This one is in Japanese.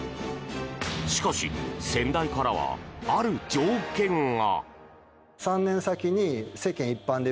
しかし、先代からはある条件が。